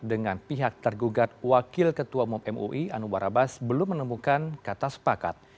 dengan pihak tergugat wakil ketua umum mui anwar abbas belum menemukan kata sepakat